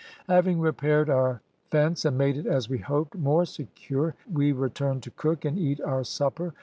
"Having repaired our fence, and made it, as we hoped, more secure, we returned to cook and eat our supper.